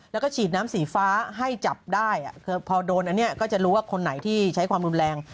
แล้วก็ฉีดน้ำสีฟ้าให้จับได้คือพอโดนอันนี้ก็จะรู้ว่าคนไหนที่ใช้ความรุนแรง